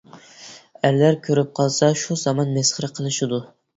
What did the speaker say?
ئەرلەر كۆرۈپ قالسا شۇ زامان مەسخىرە قىلىشىدۇ.